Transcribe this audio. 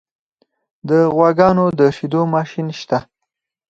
د غواګانو د شیدو ماشین شته؟